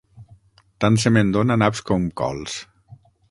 Tant se me'n dona naps com cols!